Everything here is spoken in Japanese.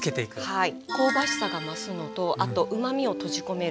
はい。